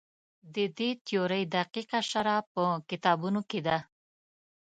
د دې تیورۍ دقیقه شرحه په کتابونو کې ده.